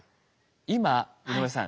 今井上さん